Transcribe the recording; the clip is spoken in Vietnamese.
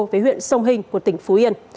với huyện sông hình của tỉnh phú yên